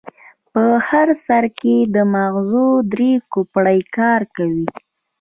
په هر سر کې د ماغزو درې کوپړۍ کار کوي.